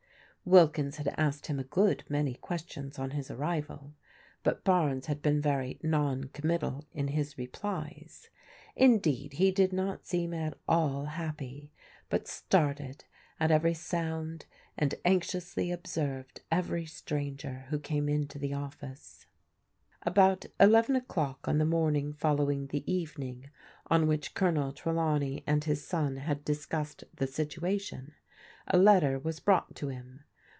Wilkins had asked him a good many questions on his arrival, but Barnes had been very non committal in his replies. In deed, he did not seem at all happy, but started at every sound and anxiously observed every stranger who came mto the office. About eleven o'clock on the morning following the evening on which Colonel Trelawney and his son had discussed the situation, a letter was brought to him.